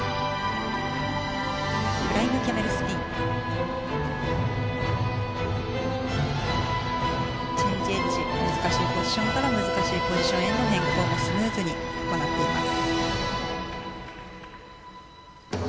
フライングキャメルスピンチェンジエッジ難しいポジションから難しいポジションへの変更もスムーズに行っています。